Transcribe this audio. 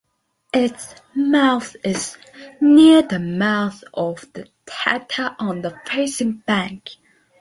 Its mouth is near the mouth of the Tatta on the facing bank.